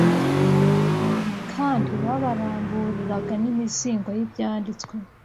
kandi babaramburiraga n’imizingo y’Ibyanditswe